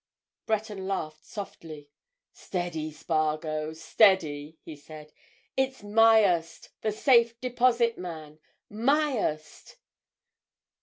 Breton laughed softly. "Steady, Spargo, steady!" he said. "It's Myerst—the Safe Deposit man. Myerst!"